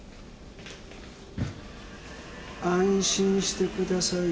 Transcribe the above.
安心してください。